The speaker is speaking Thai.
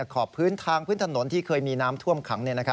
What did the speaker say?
ขอบพื้นทางพื้นถนนที่เคยมีน้ำท่วมขัง